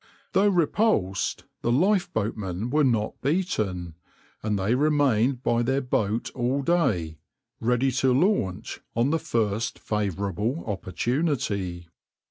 Though repulsed, the lifeboatmen were not beaten, and they remained by their boat all day, ready to launch on the first favourable opportunity.